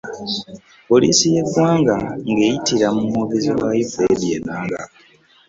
Poliisi y'eggwanga nga eyitira mu mwogezi waayo, Fred Enanga